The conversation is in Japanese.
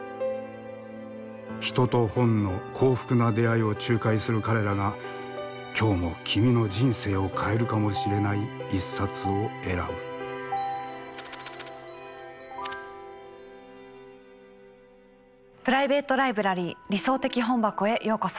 人と本の幸福な出会いを仲介する彼らが今日も君の人生を変えるかもしれない一冊を選ぶプライベート・ライブラリー「理想的本箱」へようこそ。